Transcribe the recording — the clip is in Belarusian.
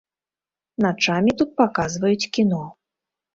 Начамі тут паказваюць кіно.